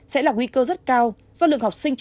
sẽ là nguy cơ rất cao do lượng học sinh trở